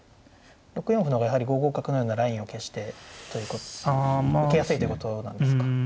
６四歩の方がやはり５五角のようなラインを消して受けやすいということなんですか。